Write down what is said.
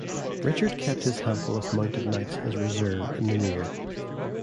Richard kept his handful of mounted knights as a reserve in the rear.